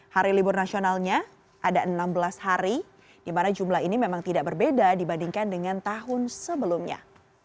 hari libur nasionalnya ada enam belas hari di mana jumlah ini memang tidak berbeda dibandingkan dengan tahun sebelumnya